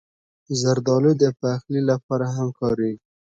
زردالو د پخلي لپاره هم کارېږي.